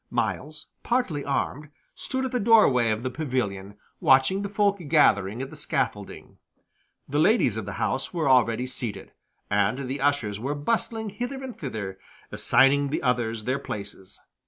Myles, partly armed, stood at the door way of the pavilion, watching the folk gathering at the scaffolding. The ladies of the house were already seated, and the ushers were bustling hither and thither, assigning the others their places.